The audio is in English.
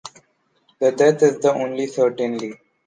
The death is the only certainly.